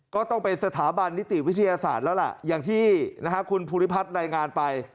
ก็ต้องเป็นสถาบันนิติวิทยาศาสตร์แล้วล่ะอย่างที่คุณภูริพัฒน์รายงานไป